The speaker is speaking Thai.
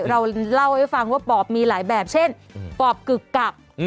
เราเล่าให้ฟังว่าปอบมีหลายแบบเช่นปอบกึกกัก